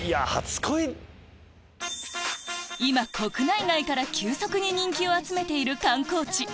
今国内外から急速に人気を集めている観光地